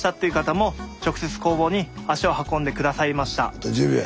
あと１０秒や。